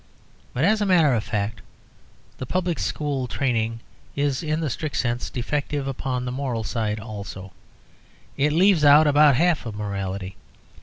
But, as a matter of fact, the public school training is in the strict sense defective upon the moral side also; it leaves out about half of morality.